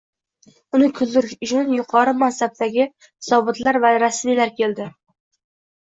Uni kundirish uchun yukori mansabdagi zobitlar va rasmiylar keldi